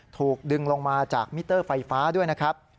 ถูกดึงลงมาจากมิเตอร์ไฟฟ้าด้วยนะครับ